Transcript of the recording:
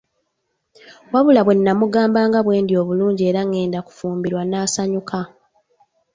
Wabula bwe nnamugamba nga bwe ndi obulungi era ngenda na kufumbirwa n'asanyuka.